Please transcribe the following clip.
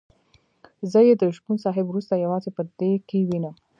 زه یې د شپون صاحب وروسته یوازې په ده کې وینم.